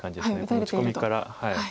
この打ち込みから。